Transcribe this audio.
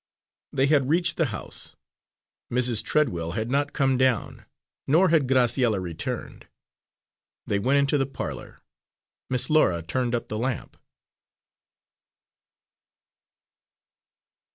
They had reached the house. Mrs. Treadwell had not come down, nor had Graciella returned. They went into the parlour. Miss Laura turned up the lamp.